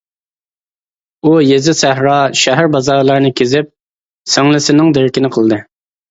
ئۇ يېزا-سەھرا، شەھەر-بازارلارنى كېزىپ سىڭلىسىنىڭ دېرىكىنى قىلدى.